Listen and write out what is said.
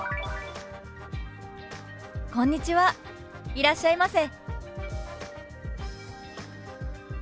いらっしゃいませ」。